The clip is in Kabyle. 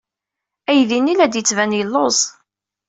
Aydi-nni la d-yettban yelluẓ.